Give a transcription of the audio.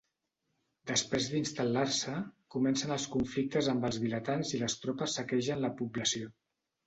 Després d'instal·lar-se, comencen els conflictes amb els vilatans i les tropes saquegen la població.